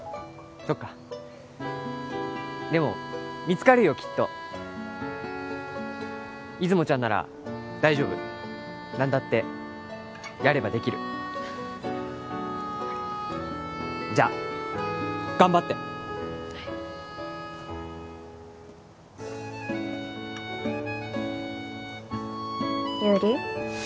そっかでも見つかるよきっと出雲ちゃんなら大丈夫何だってやればできるじゃあ頑張ってはい友利